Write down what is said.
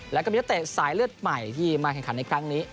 แล้วก็มีนักเตะสายเลือดใหม่ที่มาแข่งขันในครั้งนี้